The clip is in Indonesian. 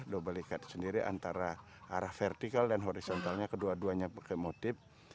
double ikat sendiri antara arah vertikal dan horizontalnya kedua duanya pakai motif